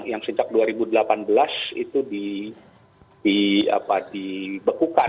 yang sejak dua ribu delapan belas itu dibekukan